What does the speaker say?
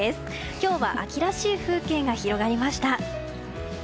今日は秋らしい風景が広がりました。